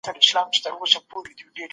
فرهاد غره سوری کړ.